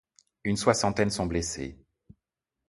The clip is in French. Une soixantaine sont blessés.